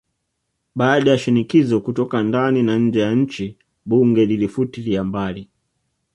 Baada ya shinikizo kutoka ndani na nje ya nchi bunge lilifutilia mbali